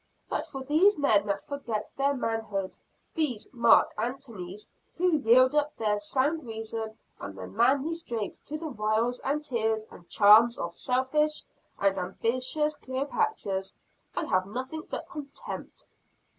But for these men that forget their manhood, these Marc Antonies who yield up their sound reason and their manly strength to the wiles and tears and charms of selfish and ambitious Cleopatras, I have nothing but contempt.